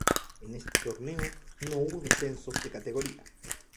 En este torneo no hubo descensos de categoría.